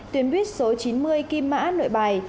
tuyến buýt số chín mươi kim mã nội bài